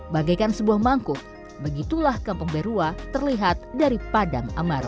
bagaikan sebuah mangkuk begitulah kampung berua terlihat dari padang amar